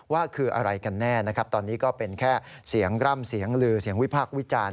ว่าคืออะไรกันแน่นะครับตอนนี้ก็เป็นแค่เสียงร่ำเสียงลือเสียงวิพากษ์วิจารณ์